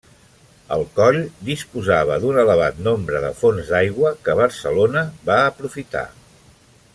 El Coll disposava d'un elevat nombre de fonts d'aigua, que Barcelona va aprofitar.